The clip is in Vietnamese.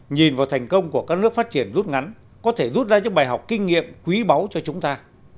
nhìn vào thành công của các nước phát triển rút ngắn có thể rút ra những bài học kinh nghiệm quý báu cho chúng ta